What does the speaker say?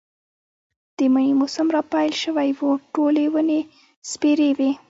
د مني موسم را پيل شوی و، ټولې ونې سپېرې وې.